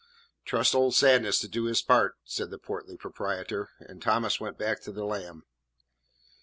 "Trust old Sadness to do his part," said the portly proprietor; and Thomas went back to the lamb.